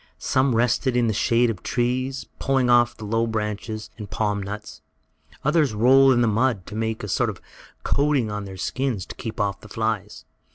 Some rested in the shade of trees, pulling off the low branches and the palm nuts. Others rolled in the mud, to make a sort of coating over their skins, to keep off the flies.